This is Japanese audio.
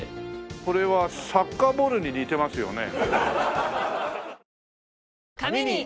これはサッカーボールに似てますよね。